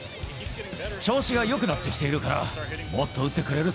調子がよくなってきているか